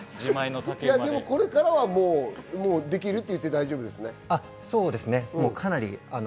これからはできると言って大丈夫ですね？